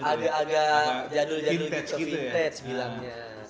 agak agak jadul jadul gitu vintage bilangnya